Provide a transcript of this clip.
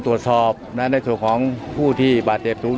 ตราบใดที่ตนยังเป็นนายกอยู่